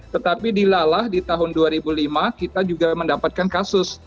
tetapi dilalah di tahun dua ribu lima kita juga mendapatkan kasus